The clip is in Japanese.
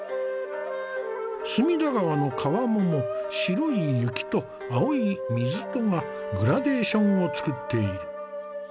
隅田川の川面も白い雪と青い水とがグラデーションを作っている。